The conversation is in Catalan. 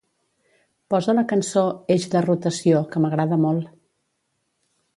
Posa la cançó "Eix de rotació", que m'agrada molt